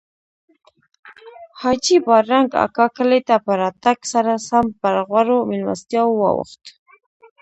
حاجي بادرنګ اکا کلي ته په راتګ سره سم پر غوړو میلمستیاوو واوښت.